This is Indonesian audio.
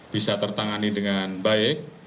bisa tertangani dengan baik